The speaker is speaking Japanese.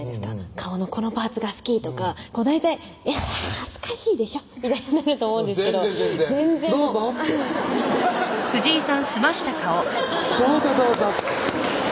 「顔のこのパーツが好き」とか大体「いや恥ずかしいでしょ」みたいになると思うんですけど全然全然「どうぞ」って「どうぞどうぞ」